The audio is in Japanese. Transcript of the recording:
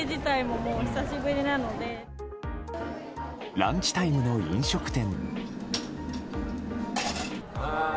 ランチタイムの飲食店。